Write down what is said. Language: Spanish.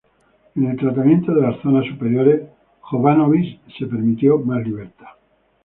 En el tratamiento de las zonas superiores Jovanović se permitió más libertad.